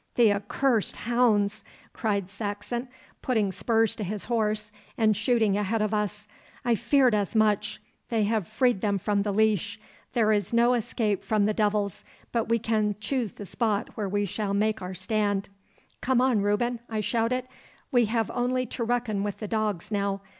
'The accursed hounds!' cried Saxon, putting spurs to his horse and shooting ahead of us; 'I feared as much. They have freed them from the leash. There is no escape from the devils, but we can choose the spot where we shall make our stand.' 'Come on, Reuben,' I shouted. 'We have only to reckon with the dogs now.